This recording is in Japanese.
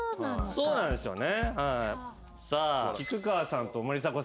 そうなんですよね。